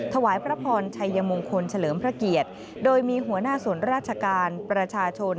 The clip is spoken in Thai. ถวายพระพรชัยมงคลเฉลิมพระเกียรติโดยมีหัวหน้าส่วนราชการประชาชน